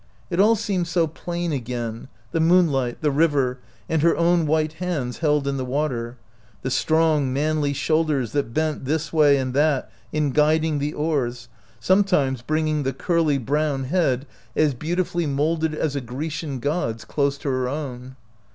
It all seemed so plain again — the moonlight, the river, and her own white hands held in the water ; the strong, manly shoulders that bent this way and that in guiding the oars, sometimes bringing the 75 OUT OF BOHEMIA curly brown head, as beautifully molded as a Grecian god's, close to her own.